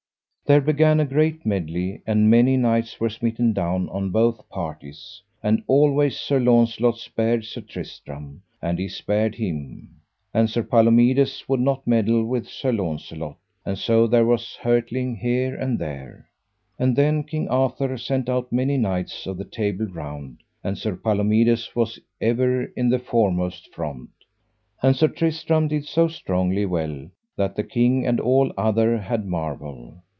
There began a great medley, and many knights were smitten down on both parties; and always Sir Launcelot spared Sir Tristram, and he spared him. And Sir Palomides would not meddle with Sir Launcelot, and so there was hurtling here and there. And then King Arthur sent out many knights of the Table Round; and Sir Palomides was ever in the foremost front, and Sir Tristram did so strongly well that the king and all other had marvel.